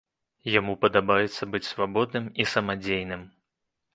Яму падабаецца быць свабодным і самадзейным.